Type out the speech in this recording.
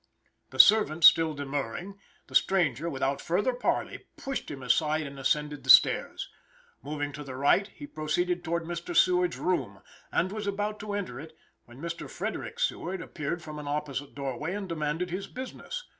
The servant still demurring, the stranger, without further parley, pushed him aside and ascended the stairs. Moving to the right, he proceeded towards Mr. Seward's room, and was about to enter it, when Mr. Frederick Seward appeared from an opposite doorway and demanded his business.